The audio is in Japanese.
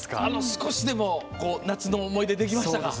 少しでも「夏の思い出」できましたか？